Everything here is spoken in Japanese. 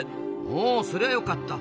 ほうそりゃよかった！